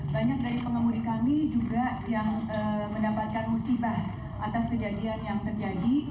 banyak dari pengemudi kami juga yang mendapatkan musibah atas kejadian yang terjadi